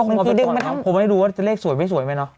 มันแข็งมาทำผมไม่ได้รู้ว่าไอ้เลขสวยบ้างสวยไหมเนอะ